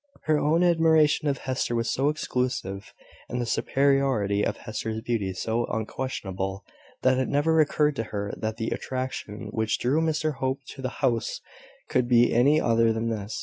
Her own admiration of Hester was so exclusive, and the superiority of Hester's beauty so unquestionable, that it never occurred to her that the attraction which drew Mr Hope to the house could be any other than this.